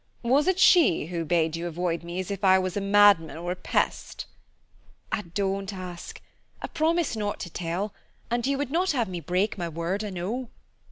Was it she who bade you avoid me as if I was a madman or a pest?" "Ah, don't ask. I promised not to tell, and you would not have me break my word, I know."